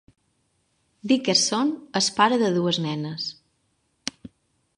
Dickerson és pare de dues nenes.